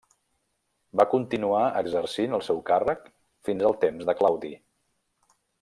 Va continuar exercint el seu càrrec fins al temps de Claudi.